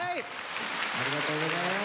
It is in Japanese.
ありがとうございます。